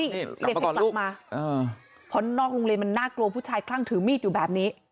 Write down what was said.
เอ่อเพราะนอกโรงเรียนมันน่ากลัวผู้ชายคลั่งถือมีดอยู่แบบนี้